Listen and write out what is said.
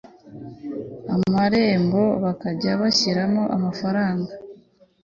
amarembo bakajya bashyiramo amafaranga